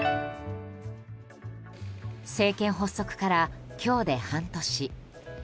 政権発足から今日で半年。